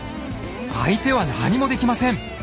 相手は何もできません！